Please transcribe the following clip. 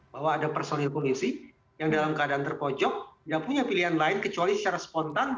bahwa ada personil polisi yang dalam keadaan terpojok tidak punya pilihan lain kecuali secara spontan